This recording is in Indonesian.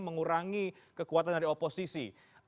mengurangi kekuatan dari oposisi